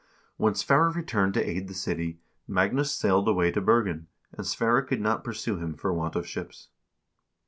When Sverre re turned to aid the city, Magnus sailed away to Bergen, and Sverre could not pursue him for want of ships.